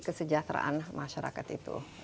kesejahteraan masyarakat itu